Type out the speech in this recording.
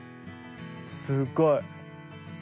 すっごい。